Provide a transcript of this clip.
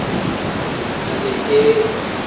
Aleheeri.